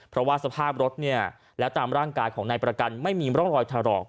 เพราะว่าสภาพรถและตามร่างกายของนายประกันไม่มีร่องรอยถลอก